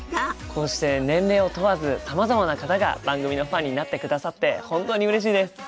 こうして年齢を問わずさまざまな方が番組のファンになってくださって本当にうれしいです。